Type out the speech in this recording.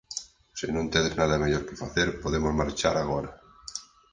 _Se non tedes nada mellor que facer podemos marchar agora.